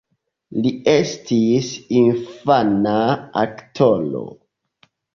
Li estis infana aktoro.